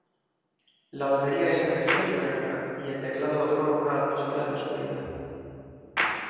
La batería es agresiva y dinámica, y el teclado otorga una atmósfera de oscuridad.